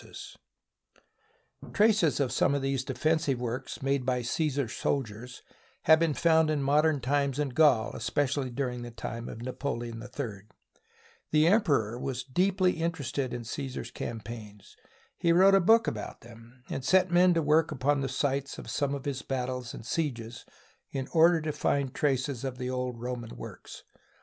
SIEGE OF ALESIA Traces of some of these defensive works made by Csesar's soldiers have been found in modern times in Gaul, especially during the time of Napoleon III. This emperor was deeply interested in Caesar's campaigns. He wrote a book about them, and set men to work upon the sites of some of his battles and sieges in order to find traces of the old Roman works.